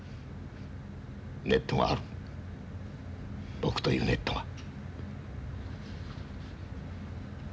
ネットがある僕というネットが。